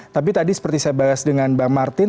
tapi tadi seperti saya bahas dengan bang martin